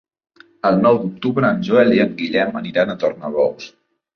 El nou d'octubre en Joel i en Guillem aniran a Tornabous.